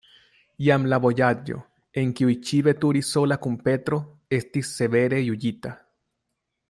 Jam la vojaĝo, en kiu ŝi veturis sola kun Petro, estis severe juĝita.